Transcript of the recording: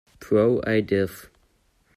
Pro I Div.